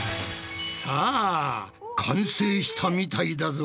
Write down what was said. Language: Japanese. さあ完成したみたいだぞ。